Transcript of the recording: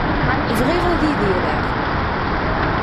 Bɣiɣ ad idireɣ.